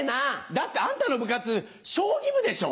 だってあんたの部活将棋部でしょ！